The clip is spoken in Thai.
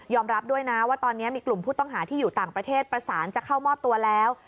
รับด้วยนะว่าตอนนี้มีกลุ่มผู้ต้องหาที่อยู่ต่างประเทศประสานจะเข้ามอบตัวแล้ว